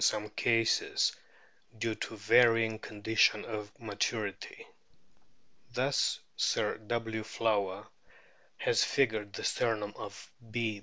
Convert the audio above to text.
RORQUALS 149 some cases due to varying conditions of maturity. Thus Sir W. Flower has figured a sternum of B.